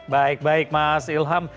baik baik mas ilham